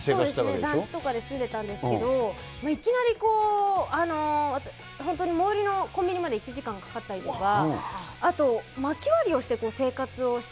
団地とかに住んでたんですけど、いきなり、本当に最寄りのコンビニまで１時間かかったりとか、あと、まき割りをして生活をして。